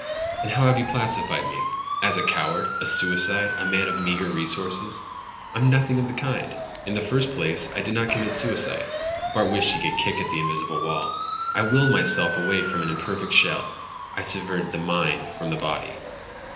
And how have you classified me?" "As a coward. A suicide. A man of meager resources." "I'm nothing of the kind. In the first place, I did not commit suicide." Bart wished he could kick at the invisible wall. "I willed myself away from an imperfect shell. I severed the mind from the body."